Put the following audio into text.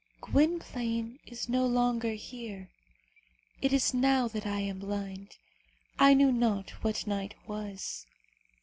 "Gwynplaine is no longer here. It is now that I am blind. I knew not what night was.